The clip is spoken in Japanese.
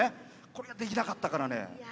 これができなかったからね。